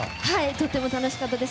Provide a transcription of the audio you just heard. とっても楽しかったです。